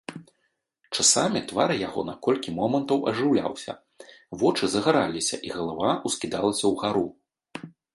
Часамі твар яго на колькі момантаў ажыўляўся, вочы загараліся і галава ўскідалася ўгару.